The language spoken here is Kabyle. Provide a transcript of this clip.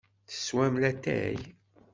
Teswam latay?